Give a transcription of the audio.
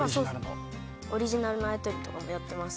オリジナルのあやとりとかもやってます。